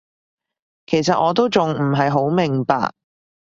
其實我都仲唔係好明白